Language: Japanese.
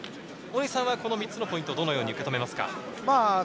この３つのポイント、どのように受け止めますか？